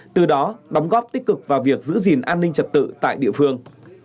từ đó đóng góp tích cực vào việc giữ gìn an ninh trật tự tại địa phương